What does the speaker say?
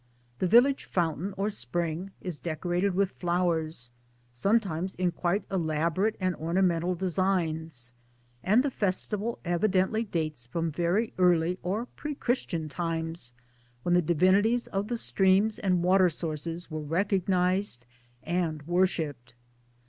The village fountain or spring is decorated with flowers some times in quite elaborate and ornamental designs and the festival evidently dates from very early or pre Christian times when the divinities of the streams and water sources were recognized and worshipped.